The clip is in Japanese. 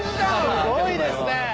すごいですね！